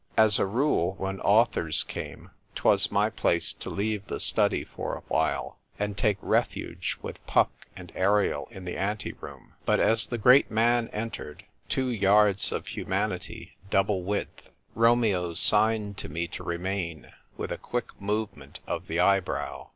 As a rule, when authors came, 'twas my place to leave the study for awhile, and take refuge with Puck and Ariel in the anteroom. But as the great man entered — two yards of humanity, double width — Romeo signed to me to remain, with a quick movement of the eyebrow.